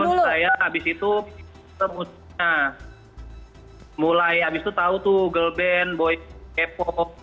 terus saya abis itu mulai abis itu tau tuh girl band boy k pop